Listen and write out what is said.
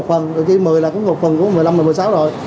từ khi một mươi là cũng một phần một mươi năm là một mươi sáu rồi